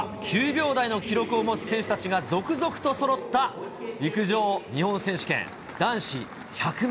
９秒台の記録を持つ選手たちが続々とそろった陸上日本選手権。